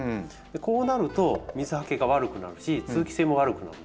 こうなると水はけが悪くなるし通気性も悪くなるんですね。